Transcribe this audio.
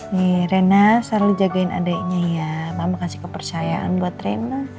nih rena selalu jagain adiknya ya mama kasih kepercayaan buat rema